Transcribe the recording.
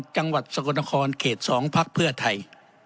จังหวัดสกลนครเขต๒พักเพื่อไทย